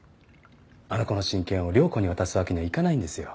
あの子の親権を涼子に渡すわけにはいかないんですよ。